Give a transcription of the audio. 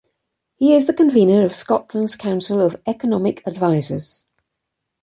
He is the convener of Scotland's Council of Economic Advisers.